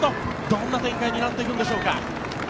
どんな展開になっていくんでしょうか。